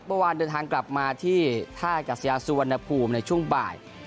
เมื่อวานเดินทางกลับมาที่ท่ากัศยาสุวรรณภูมิในช่วงบ่าย